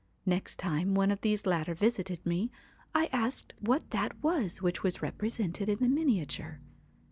Next time one of these latter visited me, I asked what that was which was represented in the miniature.